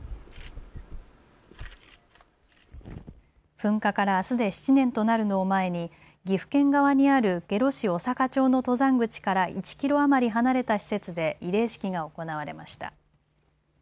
噴火からあすで７年となるのを前に岐阜県側にある下呂市小坂町の登山口から１キロ余り離れた施設で慰霊式が行われました。